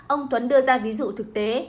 ông tuấn đưa ra ví dụ thực tế